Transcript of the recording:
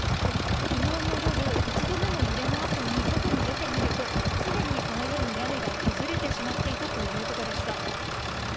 きのうの夜、１度目の揺れのあとに外に出てみると、すでにこのように屋根が崩れてしまっていたということでした。